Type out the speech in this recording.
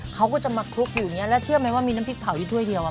เขาก็จะมาคลุกอยู่อย่างนี้แล้วเชื่อไหมว่ามีน้ำพริกเผาอยู่ถ้วยเดียวอ่ะ